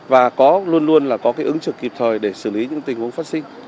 và có luôn luôn là có ứng trực kịp thời để xử lý những tình huống phát sinh